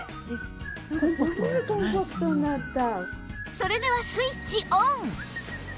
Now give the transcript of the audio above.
それではスイッチオン！